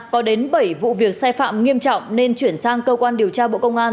có đến bảy vụ việc sai phạm nghiêm trọng nên chuyển sang cơ quan điều tra bộ công an